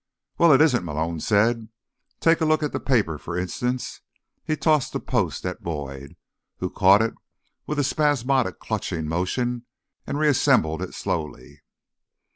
"Well, it isn't," Malone said. "Take a look at the paper, for instance." He tossed the Post at Boyd, who caught it with a spasmodic clutching motion and reassembled it slowly.